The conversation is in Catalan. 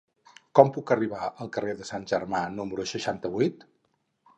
Com puc arribar al carrer de Sant Germà número seixanta-vuit?